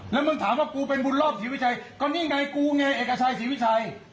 แล้วมึงถามว่ากูเป็นบุญรอบศรีวิชัยก็นี่ไงกูไงเอกชัยศรีวิชัย